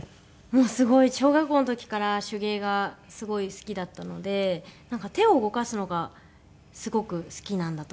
もうすごい小学校の時から手芸がすごい好きだったのでなんか手を動かすのがすごく好きなんだと思います。